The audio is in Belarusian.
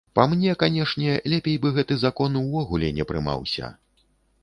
Па мне, канешне, лепей бы гэты закон увогуле не прымаўся.